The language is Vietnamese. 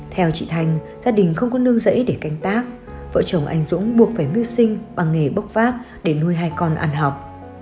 theo chị thanh gia đình không có nương rẫy để canh tác vợ chồng anh dũng buộc phải mưu sinh bằng nghề bốc vác để nuôi hai con ăn học